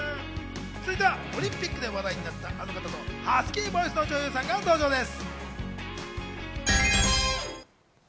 続いてはオリンピックで話題になったあの方とハスキーボイスの女優さんが登場です。